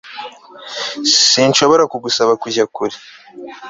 Sinshobora kugusaba kujya kure